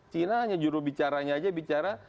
china hanya judul bicaranya saja